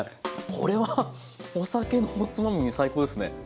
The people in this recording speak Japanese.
これはお酒のおつまみに最高ですね。